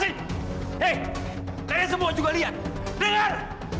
eh kalian semua juga lihat dengar